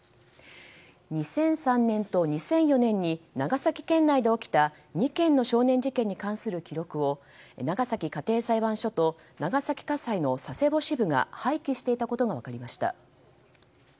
２００３年と２００４年に長崎県内で起きた２件の少年事件に関する記録を長崎家庭裁判所と長崎家裁の佐世保支部が廃棄していたことが分かりました。